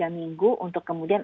tiga minggu untuk kemudian